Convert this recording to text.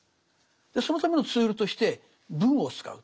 そのためのツールとして文を使う。